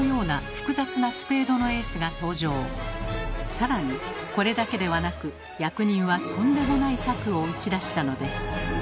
さらにこれだけではなく役人はとんでもない策を打ち出したのです。